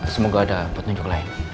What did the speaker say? semoga ada penunjuk lain